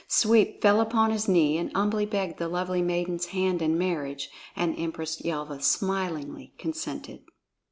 Sweep fell upon his knee and humbly begged the lovely maiden's hand in marriage, and Empress Yelva smilingly consented.